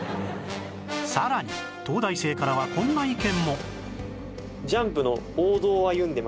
さらに東大生からはこんな意見も